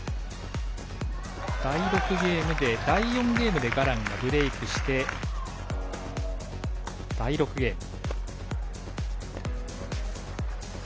第４ゲームでガランがブレイクして第６ゲーム。